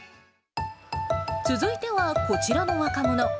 続いてはこちらの若者。